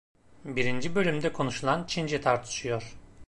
Birinci Bölümde konuşulan Çince tartışıyor.